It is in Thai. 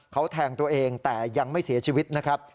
เขาแทงตัวเองแต่ยังไม่เสียชีวิตนะครับ